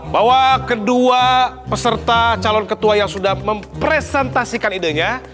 bahwa kedua peserta calon ketua yang sudah mempresentasikan idenya